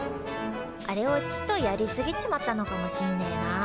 あれをちっとやりすぎちまったのかもしんねえな。